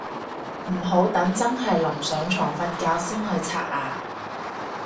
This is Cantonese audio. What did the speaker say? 唔好等真係臨上床瞓覺先去刷牙